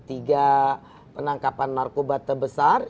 tiga penangkapan narkoba terbesar